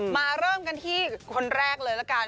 มาเริ่มกันที่คนแรกเลยละกัน